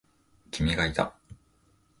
君がいた。